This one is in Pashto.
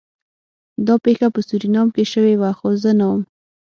دا پیښه په سورینام کې شوې وه خو زه نه وم